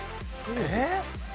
えっ？